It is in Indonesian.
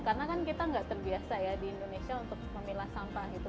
karena kan kita gak terbiasa ya di indonesia untuk memilah sampah gitu